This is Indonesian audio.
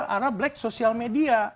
arah black social media